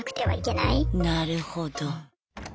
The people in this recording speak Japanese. なるほど。